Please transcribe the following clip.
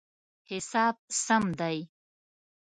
حساب سم دی